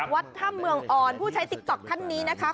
วัดถ้ำเมืองอ่อนผู้ใช้ติ๊กต๊อกท่านนี้นะคะ